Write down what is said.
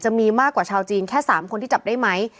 จะมีมากกว่าชาวจีนแค่๓คนที่จับได้ไหม